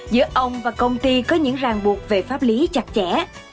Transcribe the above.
giữa ông và công ty có những ràng buộc về pháp lý chặt chẽ